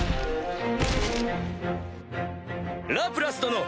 ラプラス殿！